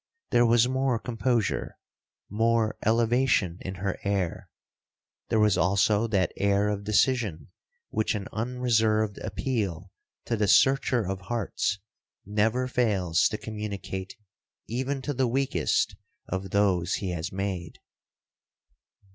There was more composure, more elevation in her air. There was also that air of decision which an unreserved appeal to the Searcher of hearts never fails to communicate even to the weakest of those he has made.